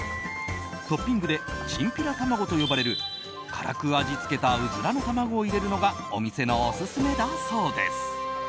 トッピングでチンピラ玉子と呼ばれる辛く味付けたウズラの卵を入れるのがお店のオススメだそうです。